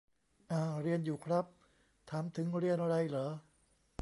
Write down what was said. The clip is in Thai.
อ่า เรียนอยู่ครับ ถามถึงเรียนไรเหรอ ?